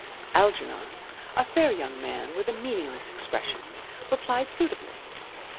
Algernon, a fair young man with a meaningless expression, replied suitably.